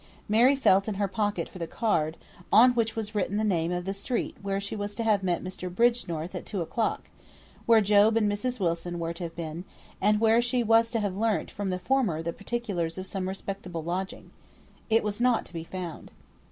Mary felt in her pocket for the card, on which was written the name of the street where she was to have met Mr. Bridgenorth at two o'clock; where Job and Mrs. Wilson were to have been, and where she was to have learnt from the former the particulars of some respectable lodging. It was not to be found.